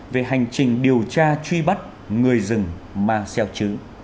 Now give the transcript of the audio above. về hành trình điều tra truy bắt người rừng marcel chứ